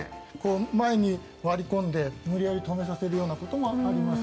前に割り込んで無理やり止めさせるようなこともあります。